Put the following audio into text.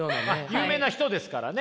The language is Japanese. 有名な人ですからね。